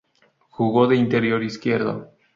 Jugó de interior izquierdo.